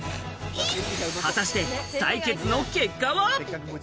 果たして採血の結果は？